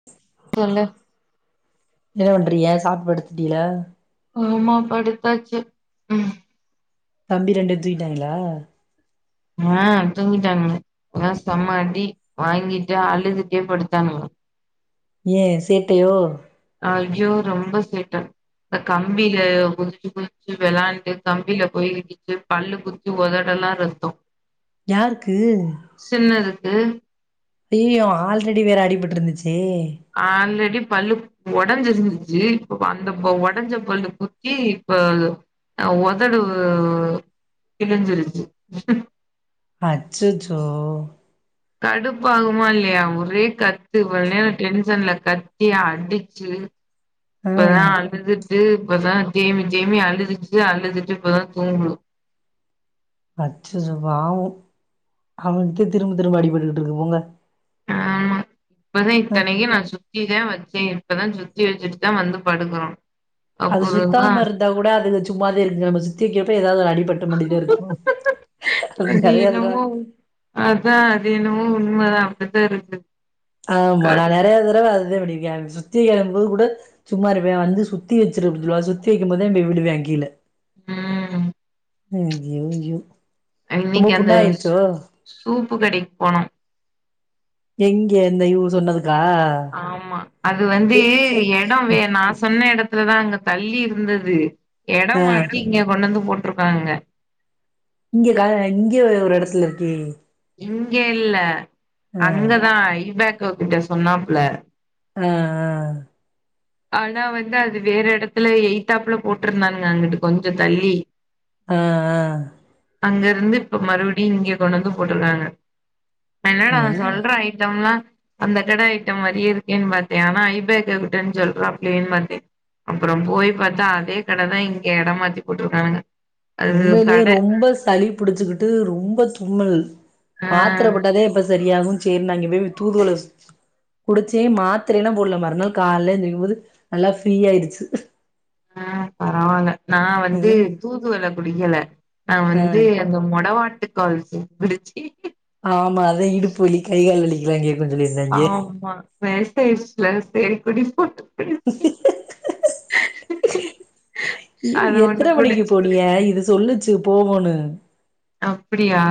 [inaudible] சொல்லு என்ன பண்றிய சாப்டு படுத்திட்டிகளா? ஆமா படுத்தாச்சு ம். தம்பி ரண்டுவ் தூங்கிட்டாய்ங்களா? ஆ தூங்கிட்டானுங்க ஆனா செம அடி வாங்கிட்டு அழுதுட்டே படுத்தானுங்க. ஏ சேட்டையோ? அய்யோ ரொம்ப சேட்ட. இந்தக் கம்பில குதிச்சு குதிச்சு வெளாண்டு கம்பில போய் இடி ச்சு பல்லு குத்தி ஒதடல்லா ரத்தோ. யாருக்கு? சின்னதுக்கு. அய்யய்யோ ஆல்ரெடி வேற அடிபட்ருந்துச்சே. ஆல்ரெடி பல்லுப் ஒடஞ்சிருந்துச்சி இப்போ அந்தப்ப ஒடஞ்ச பல்லு குத்தி இப்ப அது ஆவ் ஒதடுவ் வ் வ் வ் கிழிஞ்சிருச்சு. அச்சச்சோ. கடுப்பாகுமா இல்லியா ஒரே கத்து இவ்ள் நேர டென்ஷன்ல கத்தி அடிச்சு ஆ இப்பதா அழு அழுதுட்டு இப்பதா தேமி தேமி அழுதுச்சு அழுதுட்டு இப்பதா தூங்குது. அச்சச்சோ பாவோ அவுனுக்தா திரும்ப திரும்ப அடிபட்டுக்கிட்ருக்கு போங்க. ஆனா ம். இத்தனைக்கு நா சுத்திதா வெச்சே இப்பதா சுத்தி வெச்சுட்டு தா வந்து படுக்குறோ. அது அப்புறந்தா சுத்தாம இருந்தா கூட அதுக சும்மாதே இருக்குங்க நம்ம சுத்தி வெக்கப்ப எதாவது ஒரு அடிபட் டமண்டிதா இருக்கு அது நெறையா தடவ அதா அது என்னவோ உண்மைதா அப்டித்தா இருக்கு ஆமா நா க- நெறைய தரவ அதுதா பண்ணியிருக்கே [unintelligible] சுத்தி எழும்பு கூடு சும்மா இருப்பே வந்து சுத்தி வச்சிரு அப்டின்னு சொல்லுவா சுத்தி வைக்கும் போதே இப்படி விடுவா கீழ ம் ஐயோ ஐயோ ரொம்ப இன்னைக்கு அந்த புண்ணா ஆயிருச்சோ சூப்பு கடைக்கு போனோம் எங்க இந்த இவ்ங்க சொன்னதுக்கா ஆமா அது வந்து எ எடோ வேணா நா சொன்ன இடத்துலதா அங்க தள்ளி இருந்தது எடோ ஆ மாத்தி இங்க கொண்டந்து போட்ருக்காங்க இங்க கட இங்கயே ஒரு ஒரு இடத்துல இருக்கே இங்க இல்ல ஆ அங்கதா ஐபேக்கோ கிட்ட சொன்னாப்புல ஆ ஆ ஆனா வந்து அது வேற இடத்துல எய்தாப்ல போட்ருந்தானுங்க அங்கட்டு கொஞ்ச தள்ளி ஆ ஆ அங்க இருந்து இப்ப மறுபடியு இங்க கொண்டந்து போட்ருக்காங்க ஆ ஆ என்னடா சொல்ற ஐட்டம்லா அந்த கட ஐட்டம் மாரியே இருக்கேன்னு பாத்தியா ஆனா ஐபேக்கோ கிட்டன்னு சொல்றாப்பிலயேனு பாத்தே அப்புறம் போய் பாத்தா அதே கடைதா இங்க எடம் மாத்தி போட்ருக்கானுங்க அது உண்மையிலயே கட ரொம்ப சளி புடிச்சுக்கிட்டு ரொம்ப தும்மல் மாத்திர ஆ போட்டதே இப்பத் சரியாகு சேர்ன்னு அங்க போயி தூதுவளஸ் குடிச்சே மாத்ரேல்லா போடல மறுநாள் கால்ல எந்திருக்கும்போது நல்லா ஃப்ரீயா ஆய்டுச்சு ஆ பரவால நா வந்து ம் தூதுவள குடிக்கல நா ஆ வந்து அங்க மொடவாட்டுக்கால் சூப் குடிச்சு ஆமா அதா இடுப்பு வலி கை கால் வலிக்கலாங் கேக் ஆமா வேஸ்ட் ஆயிடுச்சுல்ல சேரி குடிப்போட்டு இ அது ஒண்ணு எத்தன மணிக்கு குடிச்சு போனீய இது ஸ் சொல்லுச்சு போவோனு அப்படியா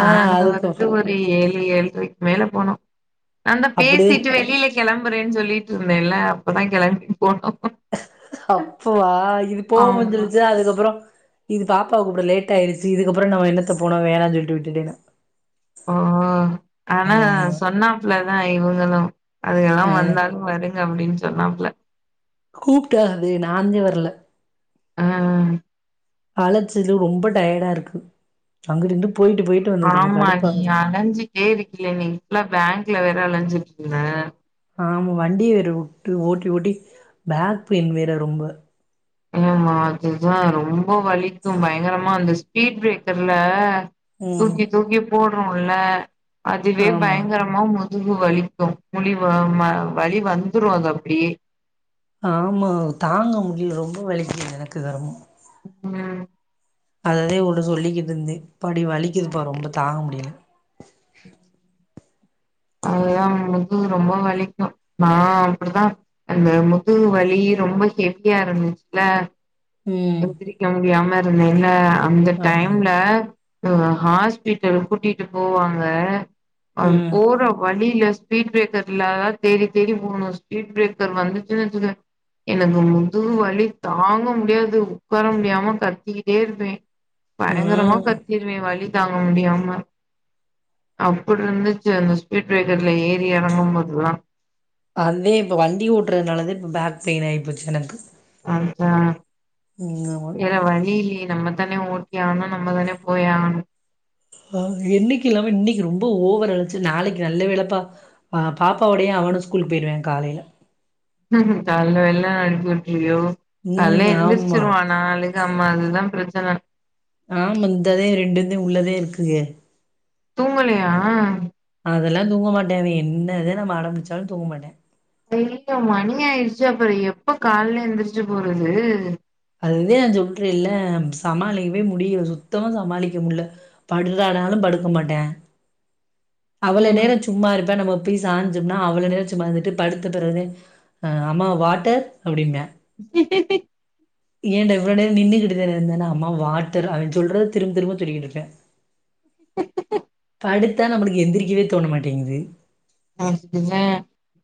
நாங்க அதுக்கு வந்து ஒரு ஏழு ஏழுரைக்கு மேல போனோ நா தா அப்டியே பேசிட்டு வெளியில கெளம்புறேன்னு சொல்லிட்ருந்தேன்ல்ல அப்பதா கெளம்பிப் போனோ அப்போவா இது போவ் ஆமா. வந்துருச்சா அதுக்கப்புறோ இது பாப்பாவ கூப்ட லேட் ஆய்டுச்சு இதுக்கப்புறோ நம்ம என்னத்த போனு வேணான் சொல்ட்டு விட்டுட்டே நா ஆ கனகார ஆமா சொன்னாப்புள்ளதா இவங்களு அதுங்கல்லா ஆ வந்தாலு வருங் அப்டின்னு சொன்னாப்ல கூப்ட்டாரு நாந்தே வர்ல ஆஆ அழைச்சது ரொம்ப டயர்டா இருக்கு அங்குட்டு இங்குட்டு போய்ட்டு போய்ட் ஆமா நீ அழஞ்சிட்டே இருக்கில நீ இப்லா பேங்க்ல வேற அலைஞ்சிட்ருந்த ஆம வண்டிய வேறு வுட்டு ஓட்டி ஓட்டி பேக் பெயின் வேற ரொம்ப ஏமா அதுதா ரொம்ப வலிக்கு பயங்கரமா அந்த ஸ்பீட் பிரேக்கர்ல ம் தூக்கி தூக்கி போடுறோல அதுவே ஆமா பயங்கரம் மா முதுகு வலிக்கு முழிவ ம வலி வந்துரு அது அப்டியே ஆமா தாங்க முடியல ரொம்ப வலிக்குது எனக்கு கரமோ ம் அததே உன்ட்ட சொல்லிக்கிட்ருந்தே படி வலிக்குதுப்பா ரொம்ப தாங்க முடியல அவ்ளோதா முதுகு ரொம்ப வலிக்கு நா அப்படிதான் அந்த முதுகு வலி ரொம்ப ஹெவிய்யா இருந்துச்சுல ம் ஏத்திரிக்க முடியாம இருந்தேன்ல அந்த ஆமாங்க டைம்ல இவக ஹாஸ்பிட்டல் கூட்டிட்டு போவாங்க அவ ம் போற வழில ஸ்பீட் பிரேக்கர்ல இல்லா தேடி தேடி போனு ஸ்பீட் பிரேக்கர் வந்துச்சுனு வெச் எனக்கு முதுவு வலி தாங்க முடியாது உக்கார முடியாம கத்திக்கிட்டே இருப்பே பயங்கரமா ம் கத் திருவே வலி தாங்க முடியாம அப்டிருந்துச்சு அந்த ஸ்பீட் பிரேக்கர்ல ஏறி ஏறங்கும் போதுல்லா அதே இப்ப வண்டி ஓட்றதுனாலதா இப்ப பேக் பெயின் ஆயி போச்சு எனக்கு அதா ம் ஆமா வேற வழி இல்லயே நம்ம நம்ம தான ஓட்டிஆகணு நம்ம தான போய் ஆகணு ஆஹ் என்னைக்கு இல்லாம இன்னிக்கி ரொம்ப ஓவர் அலச்சல் நாளைக்கு நல்ல வேலப்பா பாப்பாவோடயு அவனு ஸ்கூலுக்கு போய்டுவ காலைல கால்ல வெள்ளன அனுப்பி உட்ருவியோ கால்ல ம் ஆமா எந்திரிச்சிருவா நாலு நம்மா அதுதா பிரச்சன ஆஹ் வந்ததே ரெண்டுந்தே உள்ளதே இருக்குக தூங்கலையா அதெல்லா தூங்க மாட்டே அவ என்னத நம்ம அடம்பிடிச்சாலு தூங்க மாட்டே ஏங்க மணி ஆயிடுச்சு அப்ற எப்ப கால்ல எந்திரிச்சு போறது அதுதா நா சொல்றல்ல சமாளிக்கவே முடிய சுத்தமா சமாளிக்க முல்ல பட்றானாலு படுக்க மாட்டே அவ்ள ம் நேர சும்மா இருப்ப நம்ம போய் சாஞ்சோம்னா அவ்ளோ நேரோ சும்மாந்துட்டு படுத்த பெறகுதே அம்மா வாட்டர் அப்டிம்பே ஏன்டா இவ்ளோ நேர நின்னு கிட்டு இருந்தானா அம்மா வாட்டர் அப் சொல்றத திரும் திரும்ப சொல்லிகிட்டு இருப்பே படுத்தா நம்மளுக்கு எந்திரிக்கவே தோண மாட்டிங்குது அப்டி த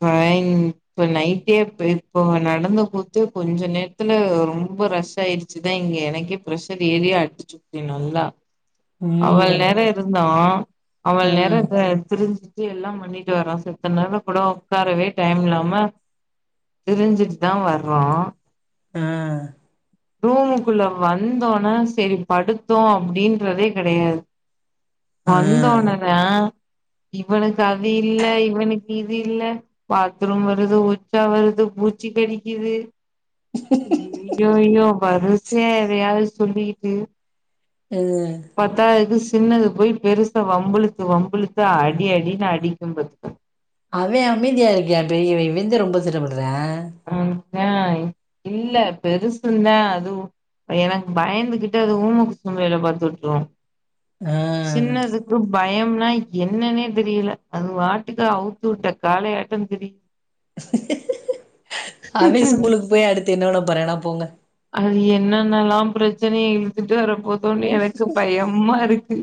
பைன் இப்ப நைட்டே இப்போ நடந்த கூத்து கொஞ்ச நேரத்துல ரொம்ப ரஷ் ஆயிருச்சு தா இங்க எனக்கே ப்ரெஷர் ஏறி அடிச்சுப்புட்ட நல்லா அவ்ள ம். நேரோ இருந்தா அவ்ள அ. நேரோ திரிஞ்சுட்டு எல்லா பண்ணி வரா செத்த நேரோ கூட உக்காரவே டைம் இல்லாம திரிஞ்சுட்டு தா வர்றோ ஆ ரூமுக்குள்ள வந்தோனே செரி படுத்தோ அப்டின்றதே கெடையாது அ. வந்தோனதா இவனுக்கு அத இல்ல இவனுக்கு இது இல்ல பாத்ரும் வருது உச்சா வருது பூச்சி கடிக்குது அய்யயோ வருசையா எதையாது சொல்லிக்கிட்டு எது பத்தாதுக்கு சின்னது போய் பெருச வம்புளுத்து வம்புளுத்து அடி அடின்னு அடிக்கு பாத்துக்க அவ அமைதியா இருக்கா பெரியவ இவந்தா ரொம்ப சேட்டபண்றா அந் தா இ இல்ல பெருசுந்தா அதுவு எனக்கு பயந்துகிட்டு அது ஊம குசும்பு வேல பாத்துட்ரு அ சின்னதுக்கு பயம்னா என்னன்னே தெரியல அது வாட்டுக்கு அவு தூட்ட காலே எட்டந் திரி அவே ஸ்கூலுக்கு போய் அடுத்து என்ன பண்ண போறானோ போங்க அது என்னன்னலா பிரச்சனைய இழுத்துட்டு வரப்போ தோ ம். எனக்கு பயமா இருக்கு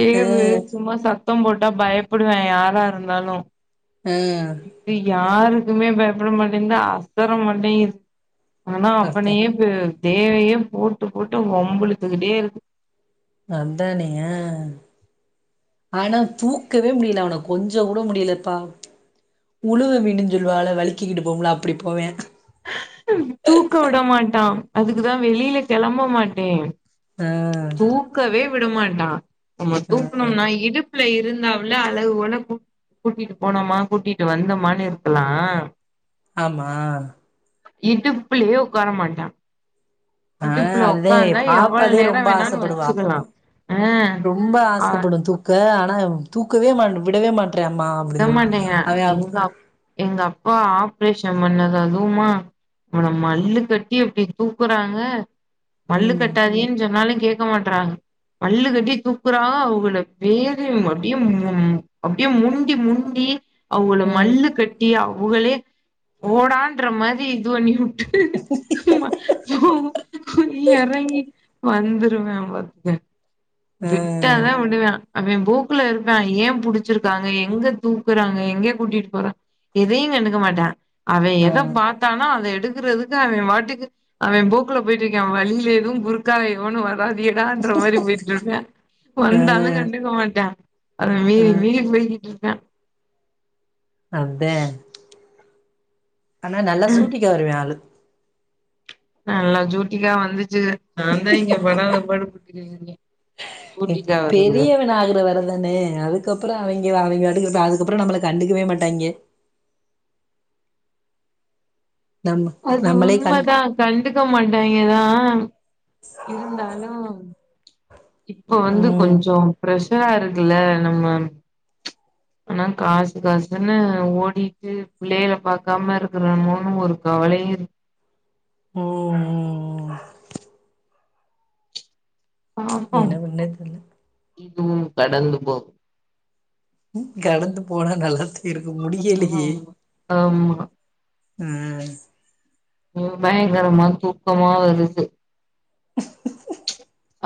தேவு அ. சும்மா சத் சத்தம் போட்டா பயப்படுவ யாரா இருந்தாலு அ இப்ப யாருக்குமே பயப்பட மாட்டென்து அசர மாட்டேங்கிது ஆனா அதா அவனையே தேவ்வையே போட்டு போட்டு வம்பிழுத்துக்கிட்டே இருக்கு அத்தானையா ஆனா தூக்கவே முடில அவன கொஞ்ச கூட முடிலப்பா உலுவ மீனஞ்சொல்வால வலிக்கிக்கிட்டு போங்குளே அப்டி போவே தூக்க விட மாட்டா அதுக்குதா வெளியில கிளம்ப மாட்டே ஆ தூக்கவே விடமாட்டா நம்ம ஆ தூக்கணும்னா இடுப் ல இருந்தாவுல அழகுபோல கூட் கூட்டிட்டு போனோமா கூட்டிட்டு வந்தோமான்னு இருக்கலா ஆமா இடுப்புலயே ஒக்கார மாட்டா ஆ இடுப்புல அதே ஒக்காந்தா எவ்ளவு பாப்பாதே நேரோ ரொம்ப வேணாலு ஆசப்படுவா வெச்சுக்கலா ரொம்ப ஆசைப்படு தூக்க ஆனா தூக்கவே மாட்ட விடவே மாட் விட மாட்டேங்க எங்க அப் எங்க அப்பா ஆப்ரேஷன் பண்ணது அதுமா அவன மல்லு கட்டி அப்டி தூக்குறாங்க மல்லு ம் கட்டாதீயன்னு சொன்னாலு கேக் க்க மாட்றாங்க மல்லு கட்டி தூக்குறா அவுங்கள பேறு அப்டியே ம் அப்டியே முரு முண்டி முண்டி அவுங்கள ம் மல்லு கட்டி அவுங்களே போடான்ற மாரி இது பண்ணி உ போவோ எறங்கி வந்துருவே பாத்துக ஆ விட்டாதா விடுவே அவ போக்குல இருக்கா ஏயே புடிச்சிருக்காங்க எங்க தூக்குறாங்க எங்க கூட்டிட்டு போற எதையு கண்டுக்க மாட்டா அவ ஆ எத பாத்தானோ அத எடுக்குறதுக்கு அவ பாட்டுக்கு அவ போக்குல போயிட்டு இருக்கா வழியில எதுவு குறுக்கால எவனு வராதிக டா இன்றா மாரி போயிட்டு இருக்க ஆ வந்தாலு கண்டுக்க மாட்டா அவ வி ஆ வில்ஸ் போயிட்டிருக்கா அத்தே ஆனா நல்லா ம் சூட்டிக்க வருவா ஆளு நல்லா ஜுட்டிக்கா வந்துச்சுக நாந்தா இங்க படாத பாடு பட்டுட்டிருக்கே ஏ பெரியவநாகர வர அதானே அதுக்கப்றோ அவிங்க அவிங்க பாட்டுக்கு இருப்பா அதுக்கப்றோ நம்மள கண்டுக்கவே மாட்டாங்கே நம்ம அது நம்மளே கண்டு உண்மதா கண்டுக்க மாட்டாயிங்கதா இருந்தாலு இப்போ வந்து ம் கொஞ்சோ ப்ரஷரா இருக்குல்ல நம்ம ஆனா காசு காசுன்னு ஓடிட்டு பிள்ளையில பாக்காம இருக்குறமோணு ஒரு கவலையு இருக் ஓ என்ன பண்ணே தெர்ல இதுவும் கடந்து போகும் ம் கடந்து போனா நல்லத்தா இருக்கோ ஆமா முடியலயே ஆமா ம் ம் பயங்கரமா தூக்கமா வருது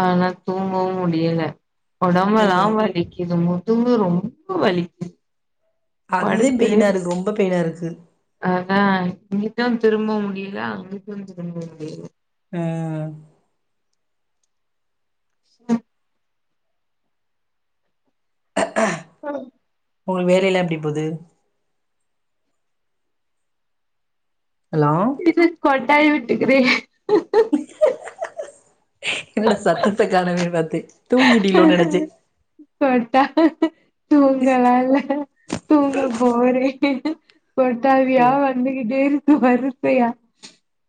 ஆனா தூங்கவு முடியல ஒடம்பெல்லா ம் வலிக்குது மு தூங்க ரொம்ப வலி அதுதா பெயினா இருக்கு ரொம்ப பெயினா இருக்கு அஆ இங்கிட்டும் திரும்ப முடில அங்கட்டும் திரும்ப முடில ம் அ ஹலோ உங்க வேலல்லாம் எப்டி போது ஹலோ [unintelligible] கொட்டாவி விட்டுக்கறேன் என்னடா சத்தத்த காணவேன்னு பாத்தேன் தூங்கிட்டிளோ நெனச்சே போட்டா தூங்கலா இல்ல தூங்க போரே கொட்டாவியா சேரி வந்துக்கிட்டே இருக்கு வருசயா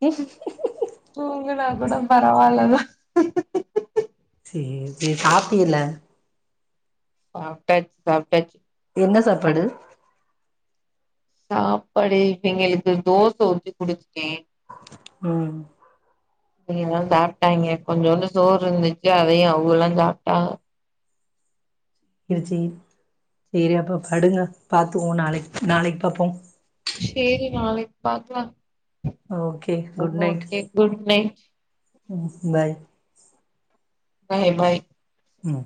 ம் தூங்குனா கூட பரவால்ல தா சேர் சேர் சாப்டில்ல சாப்ட்டாச்சு சாப்ட்டாச்சு என்ன சாப்பாடு சாப்பாடு இவிங்களுக்கு தோச ஊத்தி குடுத்ட்டேன் ம் இங்கெல்லாம் சாப்ட்டாங்ய கொஞ்சோண்டு சோறு இருந்துச்சு அதையு அவங்கல்லா சாப்ட்டாக இரிசி அப்போ படுங்க பாத்துவோம் நாளைக்கு நாளைக்கு பாப்போம் செரி நாளைக்கு பாக்லாம் okay good night okay good night ம் பாய் பை பை ம்